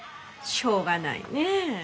しょうがないねえ